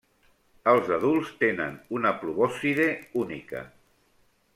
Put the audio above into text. Els adults tenen una probòscide única.